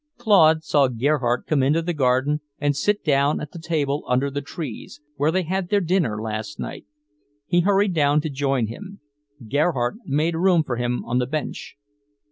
Claude saw Gerhardt come into the garden, and sit down at the table under the trees, where they had their dinner last night. He hurried down to join him. Gerhardt made room for him on the bench.